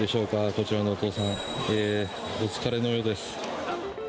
こちらのお父さんお疲れのようです。